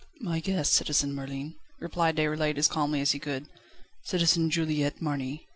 "My guest, Citizen Merlin," replied Déroulède as calmly as he could "Citizen Juliette Marny.